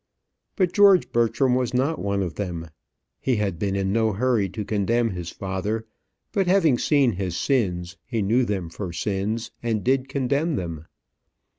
But George Bertram was not one of them: he had been in no hurry to condemn his father; but, having seen his sins, he knew them for sins, and did condemn them.